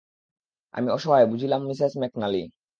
আমি অসহায় বুঝলাম মিসেস ম্যাকনালি।